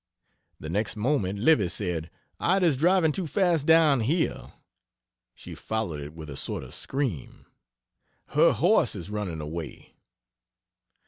The next moment Livy said, "Ida's driving too fast down hill!" She followed it with a sort of scream, "Her horse is running away!"